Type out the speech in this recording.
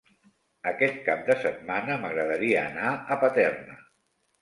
Aquest cap de setmana m'agradaria anar a Paterna.